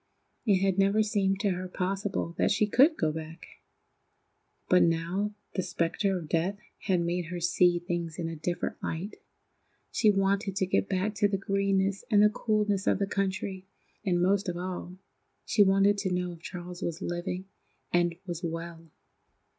It had never seemed to her possible that she could go back. But now the spectre of death had made her see things in a different light. She wanted to get back to the greenness and the coolness of the country, and, most of all, she wanted to know if Charles was living and was well.